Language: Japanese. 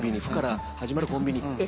「フ」から始まるコンビニ。